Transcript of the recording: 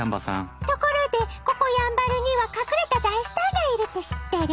ところでここやんばるには隠れた大スターがいるって知ってる？